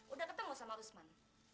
udah ketemu sama rusman